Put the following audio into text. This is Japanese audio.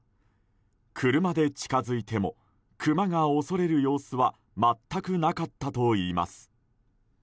車で近づいてもクマが恐れる様子は全くなかったといいます。